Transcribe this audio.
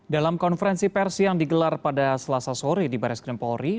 dalam konferensi persi yang digelar pada selasa sore di baris krimpori